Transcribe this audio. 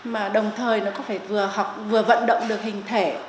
mà đồng thời nó có phải vừa học vừa vận động được hình thể